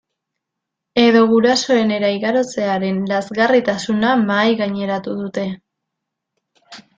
Edo gurasoenera igarotzearen lazgarritasuna mahaigaineratu dute.